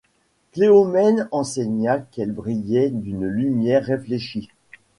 Cléomène enseigna qu’elle brillait d’une lumière réfléchie.